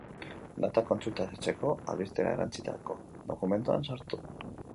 Datak kontsultatzeko, albistera erantsitako dokumentuan sartu.